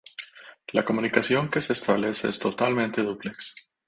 La comunicación que se establece es totalmente dúplex.